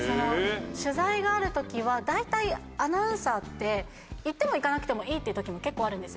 取材がある時は大体アナウンサーって行っても行かなくてもいいっていう時も結構あるんですよ。